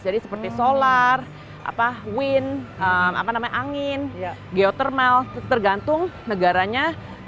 jadi seperti solar wind angin geothermal tergantung negaranya